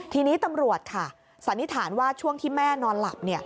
ทีนี้ตำรวจค่ะสันนิษฐานว่าช่วงที่แม่นอนหลับ